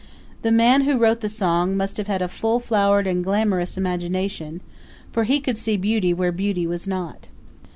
The man who wrote the song must have had a full flowered and glamorous imagination, for he could see beauty where beauty was not.